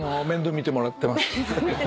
面倒見てもらってます。